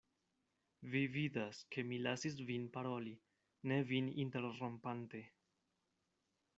Vi vidas, ke mi lasis vin paroli, ne vin interrompante.